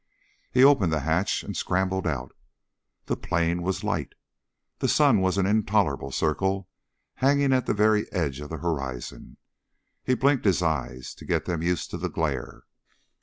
He opened the hatch and scrambled out. The plain was light. The sun was an intolerable circle hanging at the very edge of the horizon. He blinked his eyes to get them used to the glare.